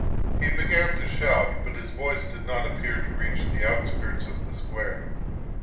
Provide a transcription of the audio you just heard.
He began to shout, but his voice did not appear to reach the outskirts of the square.